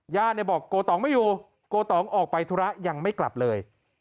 บอกโกตองไม่อยู่โกตองออกไปธุระยังไม่กลับเลย